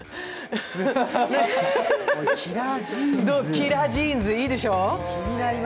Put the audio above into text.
「キラー・ジーンズ」いいでしょう。